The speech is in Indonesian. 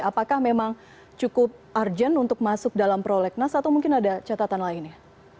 apakah memang cukup urgent untuk masuk dalam prolegnas atau mungkin ada catatan lainnya